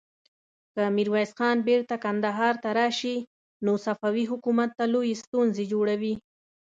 که ميرويس خان بېرته کندهار ته راشي، نو صفوي حکومت ته لويې ستونزې جوړوي.